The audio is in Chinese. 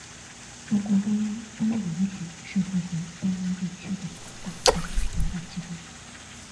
中共中央中原局是负责中央地区的党的领导机构。